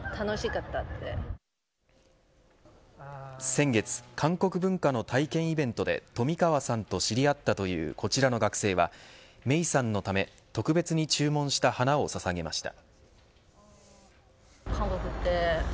先月韓国文化の体験イベントで冨川さんと知り合ったというこちらの学生は芽生さんのため特別に注文した花をささげました。